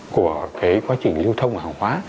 của cái quá trình lưu thông hàng hóa